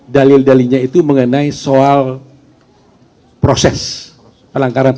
dalam hal bukit mikiverso krim dan sanular khusus yang halus